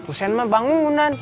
kusen mah bangunan